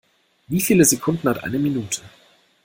Wie viele Sekunden hat eine Minute?